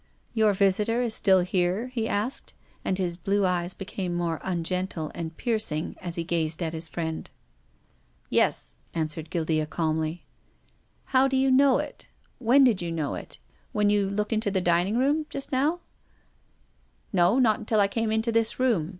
" Your visitor is still lierc ?" he asked, and his blue eyes became almost ungentle and piercing as he gazed at his friend. 302 TONGUES OF CONSCIENCE. " Yes," answered Guildea, calmly, How do you know it, when did you know it — when you looked into the dining room just now r " No. Not until I came into this room.